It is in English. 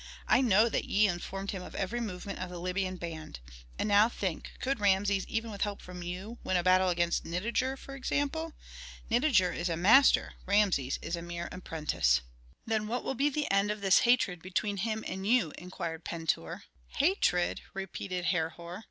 I know that ye informed him of every movement of the Libyan band. And now think, could Rameses, even with help from you, win a battle against Nitager, for example? Nitager is a master, Rameses is a mere apprentice." "Then what will be the end of this hatred between him and you?" inquired Pentuer. "Hatred!" repeated Herhor.